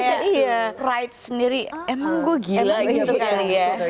saya pride sendiri emang gue gila gitu kali ya